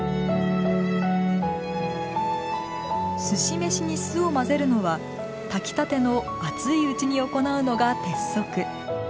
寿司飯に酢を混ぜるのは炊きたての熱いうちに行うのが鉄則。